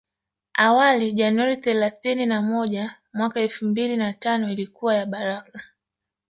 Awali Januari thelasini na moja mwaka elfu mbili na tano ilikuwa ya baraka